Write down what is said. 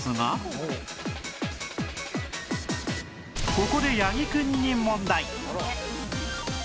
ここで八木くんに問題